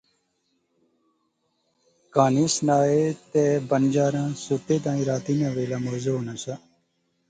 کہانی سنائے تہ بنجاراں ستے تائیں راتی ناں ویلا موزوں ہونا سا